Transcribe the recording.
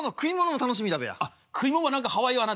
あっ食い物は何かハワイはな。